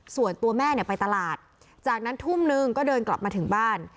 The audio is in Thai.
ส่วนตัวแม่เนี่ยไปตลาดจากนั้นทุ่มนึงก็เดินกลับมาถึงบ้าน